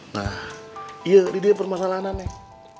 nah iya didih permasalahannya neng